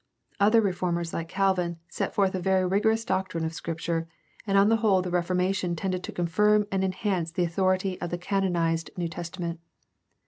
Other reformers like Calvin set forth a very rigorous doctrine of Scripture, and on the whole the Reformation tended to confirm and enhance the authority of the canonized New Testament.